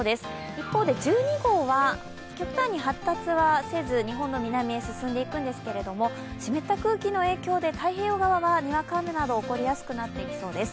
一方で１２号は極端に発達はせず日本の南へ進んでいくんですが、湿った空気の影響で太平洋側はにわか雨などが起こりやすくなってきそうです